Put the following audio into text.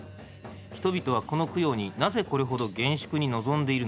人々はこの供養になぜこれほど厳粛に臨んでいるのか。